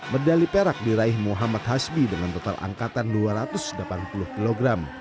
medali perak diraih muhammad hasbi dengan total angkatan dua ratus delapan puluh kg